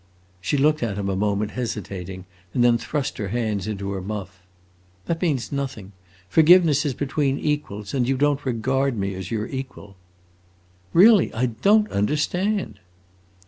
She looked at him a moment, hesitating, and then thrust her hands into her muff. "That means nothing. Forgiveness is between equals, and you don't regard me as your equal." "Really, I don't understand!"